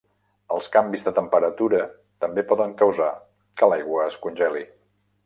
Els canvis de temperatura també poden causar que l'aigua es congeli.